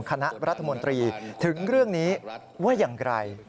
คณะรัฐมนตรีถึงเรื่องนี้ว่าอย่างไร